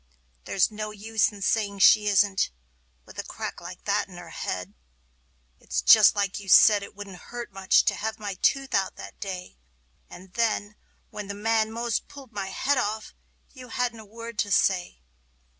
There's no use in saying she isn't, with a crack like that in her head. It's just like you said it wouldn't hurt much to have my tooth out, that day; And then, when the man 'most pulled my head off, you hadn't a word to say.